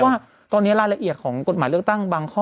ว่าตอนนี้รายละเอียดของกฎหมายเลือกตั้งบางข้อ